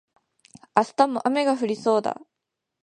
明日も雨が降りそうだ